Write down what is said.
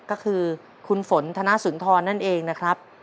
ก็คือคุณฝนธนสุนทรนั่นเองนะครับ